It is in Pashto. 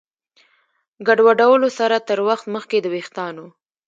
ګډوډولو سره تر وخت مخکې د ویښتانو